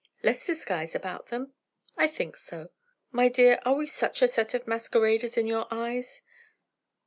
"Less disguise about them?" "I think so." "My dear, are we such a set of masqueraders in your eyes?"